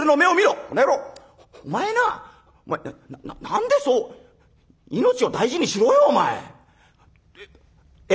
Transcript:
お前なお前何でそう命を大事にしろよお前！え？